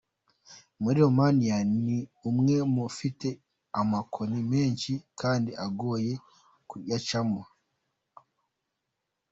muri Romania ni umwe mu ifite amakoni menshi kandi agoye kuyacamo.